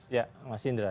ya mas indra